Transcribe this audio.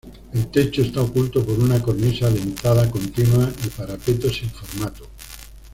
El techo está oculto por una cornisa dentada continua y parapeto sin formato.